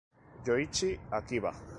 Yoichi Akiba